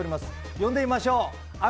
呼んでみましょう。